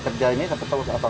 pekerjaan ini sampai tahun apa